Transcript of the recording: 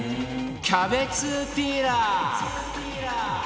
キャベツピーラー